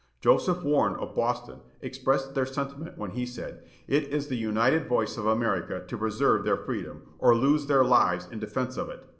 Joseph Warren of Boston expressed their sentiment when he said: "It is the united voice of America to preserve their freedom, or lose their lives in defence of it.